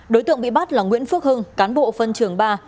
đối tượng bị bắt là nguyễn phước hưng cán bộ phân trường ba